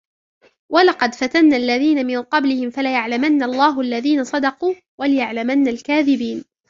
ولقد فتنا الذين من قبلهم فليعلمن الله الذين صدقوا وليعلمن الكاذبين